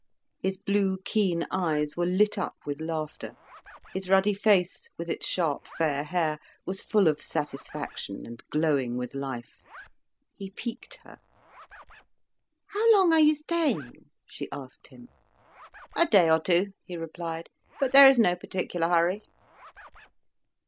His blue, keen eyes were lit up with laughter, his ruddy face, with its sharp fair hair, was full of satisfaction, and glowing with life. He piqued her. "How long are you staying?" she asked him. "A day or two," he replied. "But there is no particular hurry."